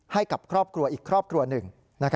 ให้กับครอบครัวอีกครอบครัวหนึ่ง